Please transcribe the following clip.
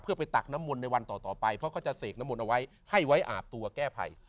เพื่อไปตักน้ำมนต์ในวันต่อไปเพราะเขาจะเสกน้ำมนต์เอาไว้ให้ไว้อาบตัวแก้ไผ่